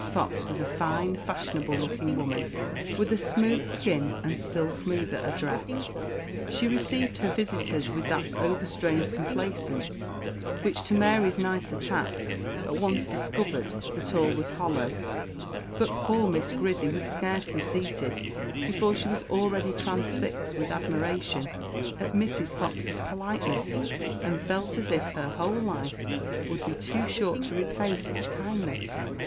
Fox was a fine, fashionable looking woman, with a smooth skin, and still smoother address. She received her visitors with that overstrained complaisance which, to Mary's nicer tact, at once discovered that all was hollow; but poor Miss Grizzy was scarcely seated before she was already transfixed with admiration at Mrs. Fox's politeness, and felt as if her whole life would be too short to repay such kindness.